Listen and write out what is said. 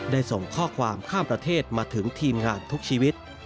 ส่งข้อความข้ามประเทศมาถึงทีมงานทุกชีวิต